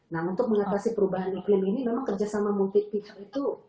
nah untuk mengatasi perubahan iklim ini memang kerjasama multi pihak itu